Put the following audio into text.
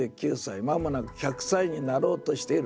間もなく１００歳になろうとしているお母さん。